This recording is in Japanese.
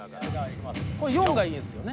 「４」がいいですよね。